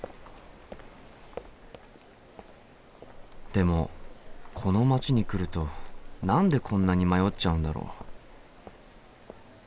でもこの街に来ると何でこんなに迷っちゃうんだろう？